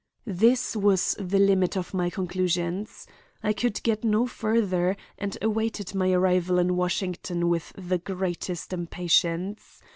This was the limit of my conclusions. I could get no further, and awaited my arrival in Washington with the greatest impatience.